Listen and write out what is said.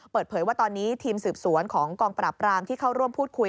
เปิดเผยว่าตอนนี้ทีมสืบสวนของกองปราบรามที่เข้าร่วมพูดคุย